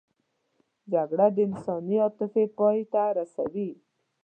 جګړه د انساني عاطفې پای ته رسوي